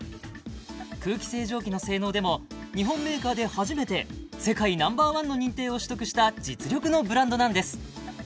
空気清浄機の性能でも日本メーカーで初めて世界Ｎｏ．１の認定を取得した実力のブランドなんです